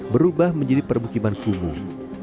berubah menjadi perbukiman kumuh